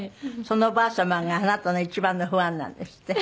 そのおばあ様があなたの一番のファンなんですって？